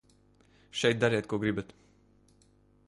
Šeit dariet, ko gribat.